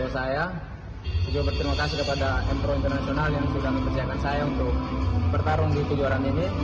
saya juga berterima kasih kepada mtro international yang sudah mempersiapkan saya untuk bertarung di kejuaraan ini